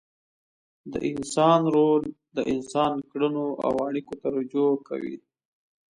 د انسان رول د انسان کړنو او اړیکو ته رجوع کوي.